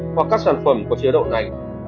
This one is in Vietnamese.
hoặc các sản phẩm có chứa đậu nành